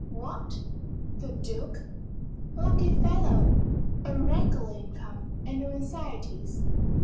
"What the Duke? Lucky fellow! A regular income, and no anxieties.